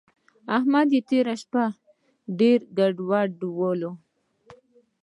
احمد يې تېره شپه ډېر ګډولی وو.